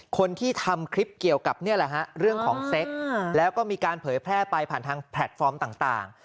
คนที่ทำคลิปเกี่ยวกับนี่แหละฮะเรื่องของเซ็กแล้วก็มีการเผยแพร่ไปผ่านทางแพลตฟอร์มต่าง